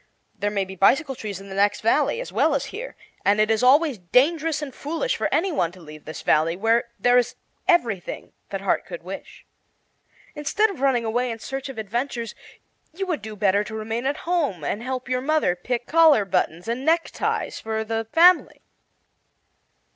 "There may be bicycle trees in the next valley, as well as here; and it is always dangerous and foolish for any one to leave this Valley, where there is everything that heart could wish. Instead of running away in search of adventures, you would do better to remain at home and help your mother pick collar buttons and neckties for the family."